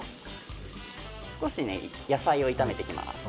少し野菜を炒めていきます。